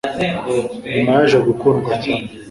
Nyuma yaje gukundwa cyane